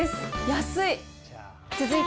安い。